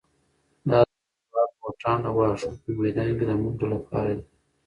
دا د فوټبال بوټان د واښو په میدان کې د منډو لپاره دي.